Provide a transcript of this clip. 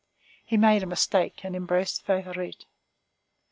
He made a mistake and embraced Favourite.